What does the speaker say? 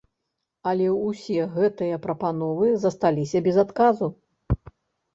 Але ўсе гэтыя прапановы засталіся без адказу.